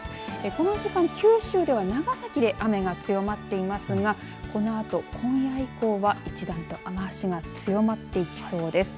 この時間、九州では長崎で雨が強まっていますがこのあと、今夜以降は一段と雨足が強まってきそうです。